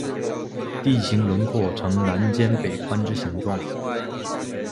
地形轮廓呈南尖北宽之形状。